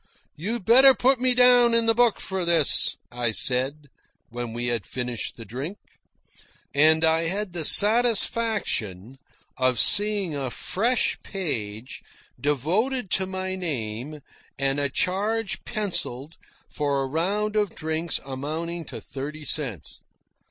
"You'd better put me down in the book for this," I said, when we had finished the drink. And I had the satisfaction of seeing a fresh page devoted to my name and a charge pencilled for a round of drinks amounting to thirty cents.